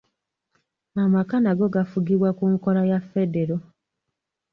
Amaka nago gafugibwa ku nkola ya Federo